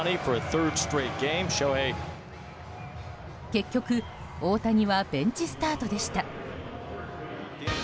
結局、大谷はベンチスタートでした。